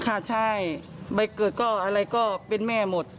ค่ะใช่ใบเกิดก็อะไรก็เป็นแม่หมด